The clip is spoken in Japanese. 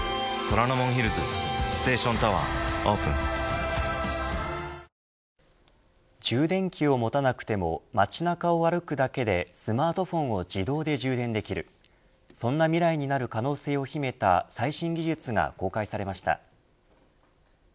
「サッポロクラフトスパイスソーダ」充電器を持たなくても街中を歩くだけでスマートフォンを自動で充電できるそんな未来になる可能性を秘めた最新技術が公開されました。